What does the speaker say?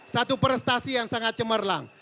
satu prestasi yang sangat cemerlang